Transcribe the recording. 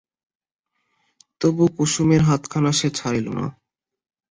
তবু কুসুমের হাতখানা সে ছাড়িল না।